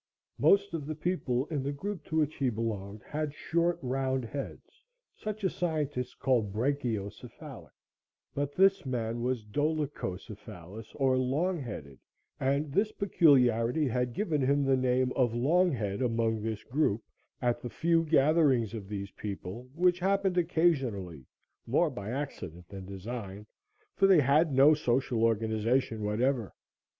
Most of the people in the group to which he belonged had short round heads, such as scientists call brachiocephalic, but this man was dolichocephalous, or longheaded, and this peculiarity had given him the name of Longhead among this group at the few gatherings of these people, which happened occasionally, more by accident than design, for they had no social organization whatever.